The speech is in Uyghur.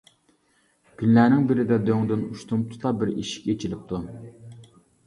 كۈنلەرنىڭ بىرىدە دۆڭدىن ئۇشتۇمتۇتلا بىر ئىشىك ئىچىلىپتۇ.